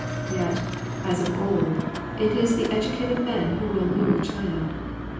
Yet, as of old, it is the educated men who will move China.